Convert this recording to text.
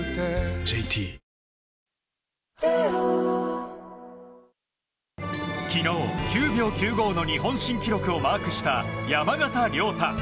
ＪＴ昨日、９秒９５の日本新記録をマークした山縣亮太。